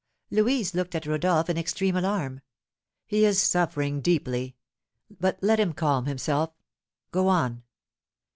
Louise looked at Rodolph in extreme alarm. "He is suffering deeply; but let him calm himself. Go on."